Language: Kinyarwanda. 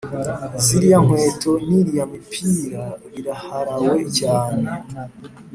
ziriya nkweto niriya mipira biraharawe cyane